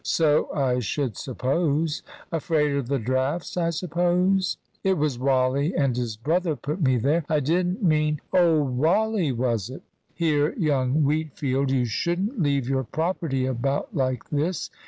"So I should suppose. Afraid of the draughts, I suppose." "It was Wally and his brother put me there. I didn't mean " "Oh Wally, was it? Here, young Wheatfield, you shouldn't leave your property about like this.